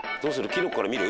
キノコから見る？」